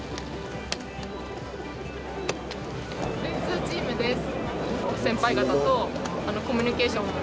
電通チームです。